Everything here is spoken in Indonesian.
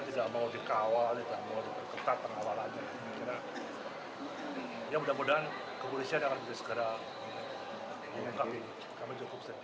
kira kira ya mudah mudahan kepolisian yang akan bisa segera mengungkap ini